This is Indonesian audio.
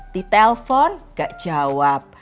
di telpon gak jawab